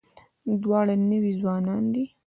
دواړه نوي ځوانان دي.